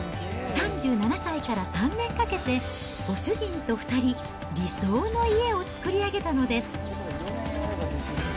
３７歳から３年かけて、ご主人と２人、理想の家を作り上げたのです。